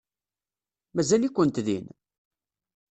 Mazal-ikent din?